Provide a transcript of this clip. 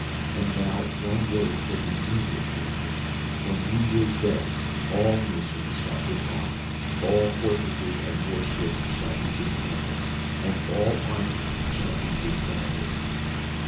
"And now one word for the immediate future. On New Year's Day all nations shall disarm, all fortresses and war ships shall be dismantled, and all armies shall be disbanded.